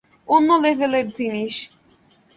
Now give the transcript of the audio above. অন্য লেভেলের জিনিস।